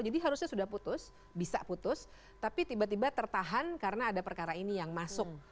jadi harusnya sudah putus bisa putus tapi tiba tiba tertahan karena ada perkara ini yang masuk